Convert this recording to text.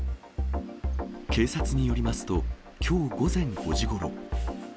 警察によりますと、きょう午前５時ごろ。